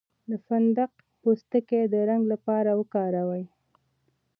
د فندق پوستکی د رنګ لپاره وکاروئ